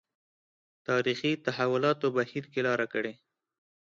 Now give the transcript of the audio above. تاریخي تحولاتو بهیر کې لاره کړې.